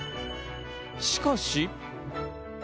しかし。